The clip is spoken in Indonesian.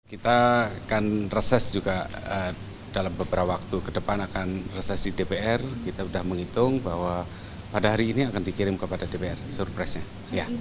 kita akan reses juga dalam beberapa waktu ke depan akan reses di dpr kita sudah menghitung bahwa pada hari ini akan dikirim kepada dpr surprise nya